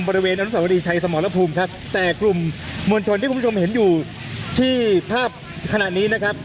บริเวณอนุสาวรีชัยสมรภูมิครับแต่กลุ่มมวลชนที่คุณผู้ชมเห็นอยู่ที่ภาพขณะนี้นะครับ